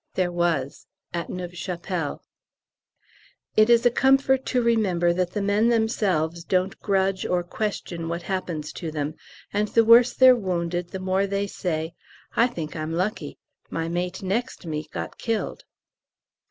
(There was at Neuve Chapelle.) It is a comfort to remember that the men themselves don't grudge or question what happens to them, and the worse they're wounded the more they say, "I think I'm lucky; my mate next me got killed."